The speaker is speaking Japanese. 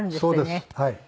そうです。